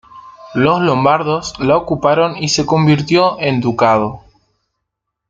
Los lombardos la ocuparon y se convirtió en ducado.